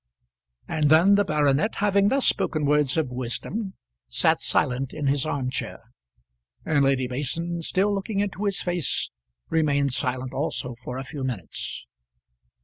And then the baronet, having thus spoken words of wisdom, sat silent in his arm chair; and Lady Mason, still looking into his face, remained silent also for a few minutes.